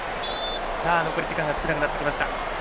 さあ、残り時間が少なくなってきました。